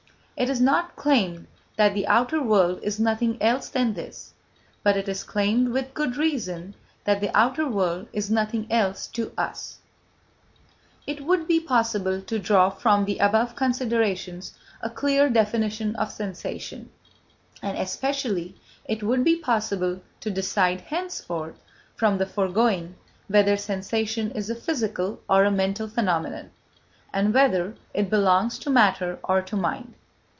It is not claimed that the outer world is nothing else than this, but it is claimed with good reason that the outer world is nothing else to us. It would be possible to draw from the above considerations a clear definition of sensation, and especially it would be possible to decide henceforth from the foregoing whether sensation is a physical or a mental phenomenon, and whether it belongs to matter or to mind.